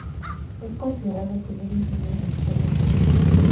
Es considerado el primer ingeniero militar español.